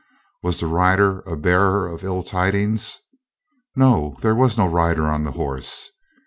Was the rider a bearer of ill tidings? No, there was no rider on the horse.